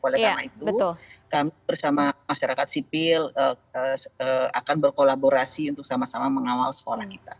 oleh karena itu kami bersama masyarakat sipil akan berkolaborasi untuk sama sama mengawal sekolah kita